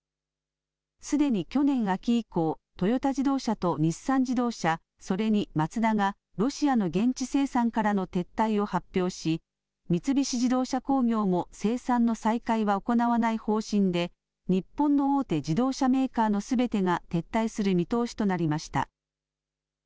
すでに去年秋以降、トヨタ自動車と日産自動車、それにマツダがロシアの現地生産からの撤退を発表し三菱自動車工業も生産の再開は行わない方針で日本の大手自動車メーカーのすべてが撤退する見通しとなりました。